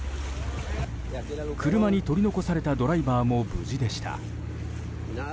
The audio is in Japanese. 車に取り残されたドライバーも無事でした。